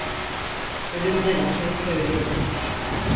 Ölümden öte köy yoktur.